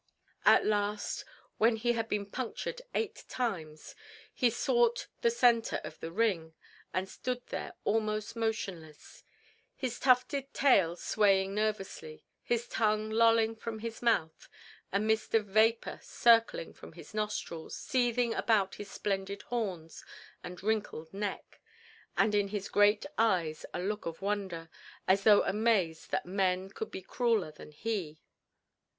At last, when he had been punctured eight times, he sought the centre of the ring, and stood there almost motionless, his tufted tail swaying nervously, his tongue lolling from his mouth, a mist of vapor circling from his nostrils, seething about his splendid horns and wrinkled neck, and in his great eyes a look of wonder, as though amazed that men could be crueler than he.